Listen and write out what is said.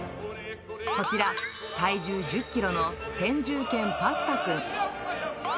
こちら、体重１０キロの先住犬、パスタくん。